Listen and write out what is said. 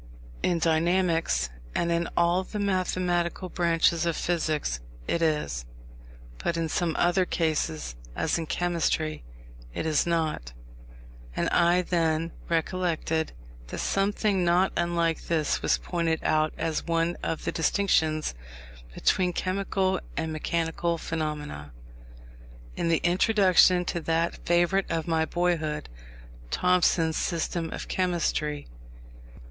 In dynamics, and in all the mathematical branches of physics, it is; but in some other cases, as in chemistry, it is not; and I then recollected that something not unlike this was pointed out as one of the distinctions between chemical and mechanical phenomena, in the introduction to that favourite of my boyhood, Thompson's System of Chemistry.